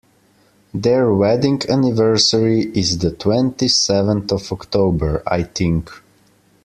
Their wedding anniversary is the twenty-seventh of October, I think